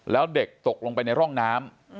แล้วเด็กตกลงไปในร่องน้ำ